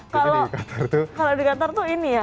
kalau di qatar tuh ini ya